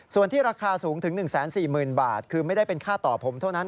ส่วนที่ราคาสูงถึง๑๔๐๐๐บาทคือไม่ได้เป็นค่าต่อผมเท่านั้น